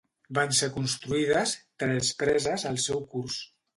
Van ser construïdes tres preses al seu curs.